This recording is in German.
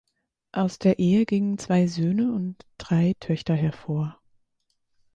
Aus der Ehe gingen zwei Söhne und drei Töchter hervor.